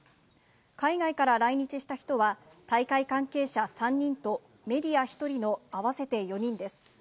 海外から来日した人は、大会関係者３人とメディア１人の合わせて４人です。